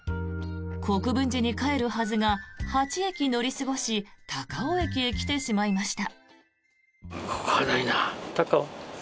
国分寺に帰るはずが８駅乗り過ごし高尾駅に来てしまいました。